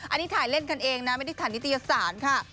อันนี้ถ่ายเล่นกันเองนะไม่ได้ถ่ายนิตยสารค่ะ